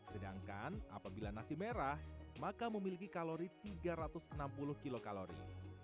sedangkan apabila nasi merah maka memiliki kalori tiga ratus enam puluh kilokalori